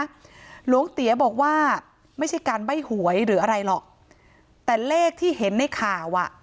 หลวงเตี๋ยบอกว่าไม่ใช่การใบ้หวยหรืออะไรหรอกแต่เลขที่เห็นในข่าวอ่ะ